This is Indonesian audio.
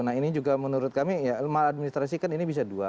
nah ini juga menurut kami ya maladministrasi kan ini bisa dua